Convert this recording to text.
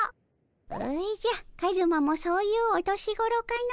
おじゃカズマもそういうお年頃かの。